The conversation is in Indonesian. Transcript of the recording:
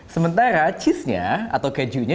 sementara cheese nya atau kejunya